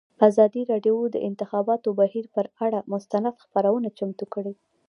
ازادي راډیو د د انتخاباتو بهیر پر اړه مستند خپرونه چمتو کړې.